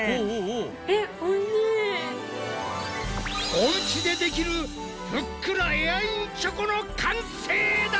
おうちでできるふっくらエアインチョコの完成だ！